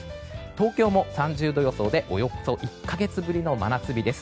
東京も３０度予想でおよそ１か月ぶりの真夏日です。